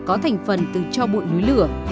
có thành phần từ cho bụi núi lửa